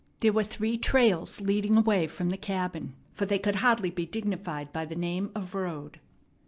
There were three trails leading away from the cabin, for they could hardly be dignified by the name of road.